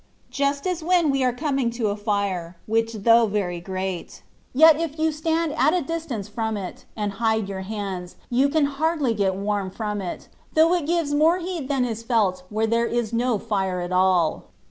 Just as when we are coming to a fire, which though very great, yet if you stand at a distance from it and hide your hands, you can hardly get warmth from it, though it gives more heat than is felt where there is no fire at all.